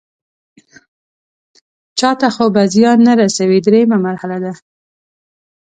چاته خو به زیان نه رسوي دریمه مرحله ده.